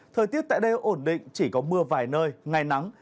thời tiết tại đây ổn định chỉ có mưa vài nơi ngày nắng